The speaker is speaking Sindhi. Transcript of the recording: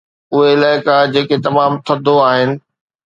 اهي علائقا جيڪي تمام ٿڌو آهن